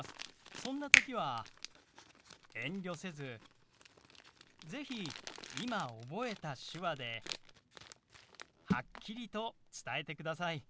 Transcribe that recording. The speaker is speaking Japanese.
そんな時は遠慮せず是非今覚えた手話ではっきりと伝えてください。